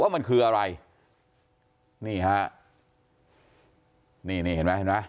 ว่ามันคืออะไรนี่ฮะนี่เห็นมั้ย